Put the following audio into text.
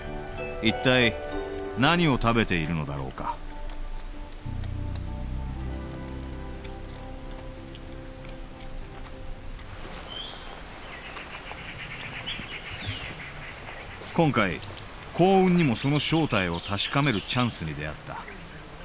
一体何を食べているのだろうか今回幸運にもその正体を確かめるチャンスに出会った。